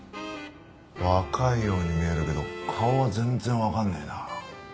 若いように見えるけど顔は全然わかんねえな。